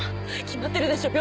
決まってるでしょ